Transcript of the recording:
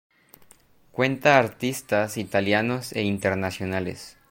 Cuenta artistas italianos e internacionales.